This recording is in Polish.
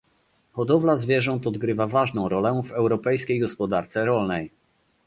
Hodowla zwierząt odgrywa ważną rolę w europejskiej gospodarce rolnej